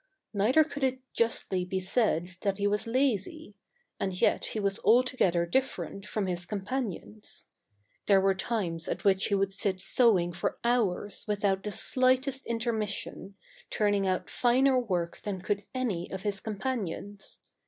Neither could it justly be said that he was lazy ; and yet he was altogether dif ferent from his companions. There were times at which he would sit sewing for hours without the slightest intermission, turning out finer work than could any of his companions.